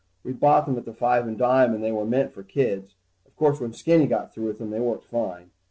We bought them at the five and dime, and they were meant for kids. Of course when Skinny got through with them, they worked fine.